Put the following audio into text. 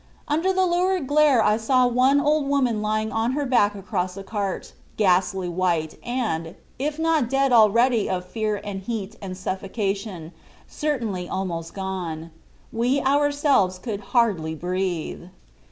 Under the lurid glare I saw one old woman lying on her back across a cart, ghastly white and, if not dead already of fear and heat and suffocation, certainly almost gone. We ourselves could hardly breathe."